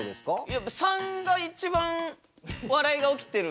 やっぱ３が一番笑いが起きてる。